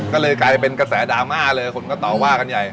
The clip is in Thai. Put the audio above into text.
ก็เลยกลายเป็นกระแสดราม่าเลยคนก็ต่อว่ากันใหญ่